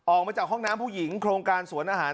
ออกมาจากห้องน้ำผู้หญิงโครงการสวนอาหาร